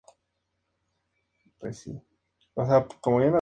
Estas son: en campo de oro, una estrella de azur.